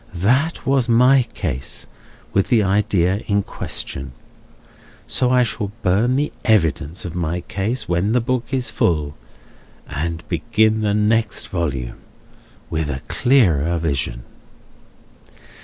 That was my case with the idea in question. So I shall burn the evidence of my case, when the book is full, and begin the next volume with a clearer vision."